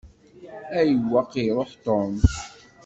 Ayweq i iṛuḥ Tom?